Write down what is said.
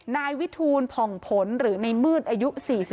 นายวิทูลผ่องผลหรือในมืดอายุ๔๒